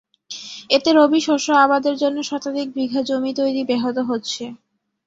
এতে রবি শস্য আবাদের জন্য শতাধিক বিঘা জমি তৈরি ব্যাহত হচ্ছে।